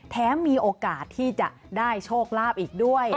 มีโอกาสที่จะได้โชคลาภอีกด้วย